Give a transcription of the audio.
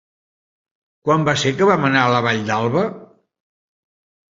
Quan va ser que vam anar a la Vall d'Alba?